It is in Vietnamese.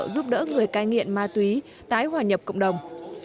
giúp đỡ người cai nghiện ma túy tái hòa nhập cộng đồng